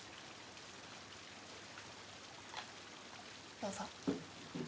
どうぞ。